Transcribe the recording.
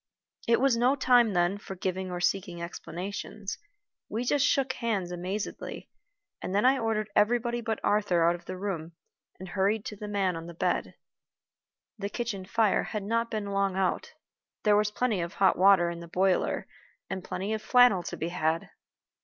It was no time then for giving or seeking explanations. We just shook hands amazedly, and then I ordered everybody but Arthur out of the room, and hurried to the man on the bed. The kitchen fire had not been long out. There was plenty of hot water in the boiler, and plenty of flannel to be had.